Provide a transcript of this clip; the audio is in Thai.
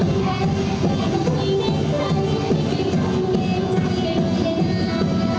สุดท้ายก็ไม่มีเวลาที่จะรักกับที่อยู่ในภูมิหน้า